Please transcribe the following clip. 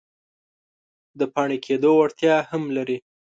د پاڼې کیدو وړتیا هم لري.